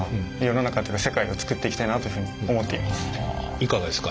いかがですか？